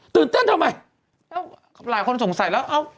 เต้นทำไมแล้วหลายคนสงสัยแล้วเอ้า